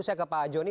saya ke pak jonny